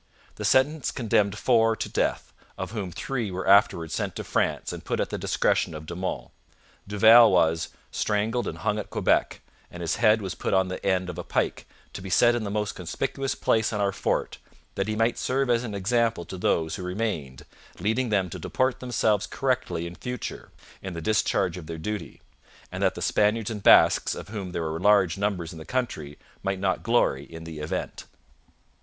The sentence condemned four to death, of whom three were afterwards sent to France and put at the discretion of De Monts. Duval was 'strangled and hung at Quebec, and his head was put on the end of a pike, to be set in the most conspicuous place on our fort, that he might serve as an example to those who remained, leading them to deport themselves correctly in future, in the discharge of their duty; and that the Spaniards and Basques, of whom there were large numbers in the country, might not glory in the event.'